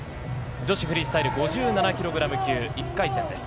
女子フリースタイル５７ｋｇ級１回戦です。